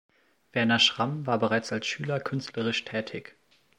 Werner Schramm war bereits als Schüler künstlerisch tätig.